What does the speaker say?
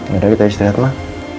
yaudah kita istirahat lah